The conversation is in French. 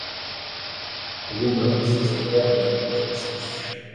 Andrew Manze se prête à cet exercice.